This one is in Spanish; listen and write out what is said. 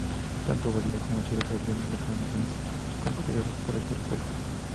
Tanto Bolivia como Chile establecieron reclamaciones competidoras por el territorio.